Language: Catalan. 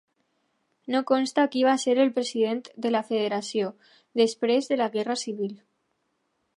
No consta qui va ser el president de la federació després de la Guerra Civil.